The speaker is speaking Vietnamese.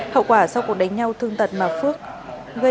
hậu quả sau cuộc đánh nhau thương tật mà phước gây